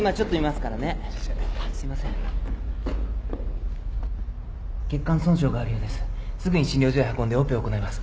すぐに診療所へ運んでオペを行います。